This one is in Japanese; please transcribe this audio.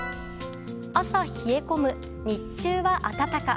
朝冷え込む、日中は暖か。